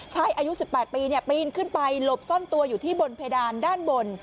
อายุ๑๘ปีปีนขึ้นไปหลบซ่อนตัวอยู่ที่บนเพดานด้านบน